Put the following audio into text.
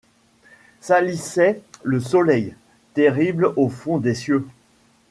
Salissaient le soleil, terrible au fond des cieux ;